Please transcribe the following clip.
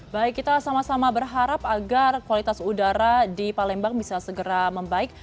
baik kita sama sama berharap agar kualitas udara di palembang bisa segera membaik